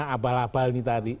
abal abal ini tadi